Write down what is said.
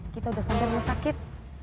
kita sudah sampai rumah sakit